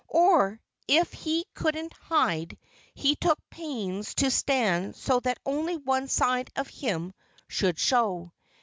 Or if he couldn't hide, he took pains to stand so that only one side of him should show.